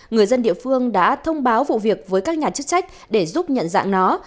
người dân địa phương đã thông báo vụ việc với các nhà chức trách để giúp nhận dạng nó